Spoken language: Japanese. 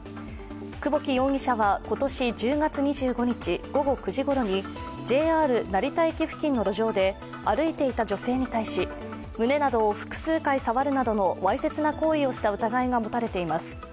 久保木容疑者は今年１０月２５日午後９時ごろにＪＲ成田駅付近の路上で歩いていた女性に対し、胸などを複数回触るなどのわいせつな行為をした疑いが持たれています。